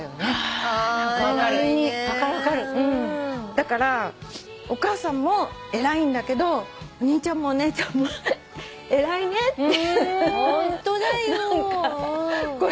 だからお母さんも偉いんだけどお兄ちゃんもお姉ちゃんも偉いねって何か。